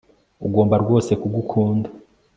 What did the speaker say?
ugomba rwose kugukunda